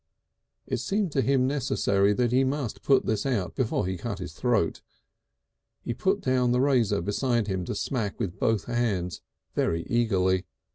It seemed to him necessary that he must put this out before he cut his throat. He put down the razor beside him to smack with both hands very eagerly.